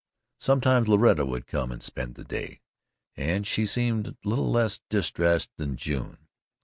Sometimes Loretta would come and spend the day, and she seemed little less distressed than June.